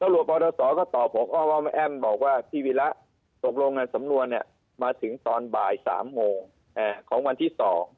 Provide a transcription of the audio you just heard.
หลวงปทศก็ตอบก้อว่าแอ้มบอกว่าพี่วีระตบลงการสำนวนมาถึงตอน๓นของวันที่๒